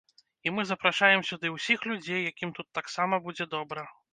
І мы запрашаем сюды ўсіх людзей, якім тут таксама будзе добра.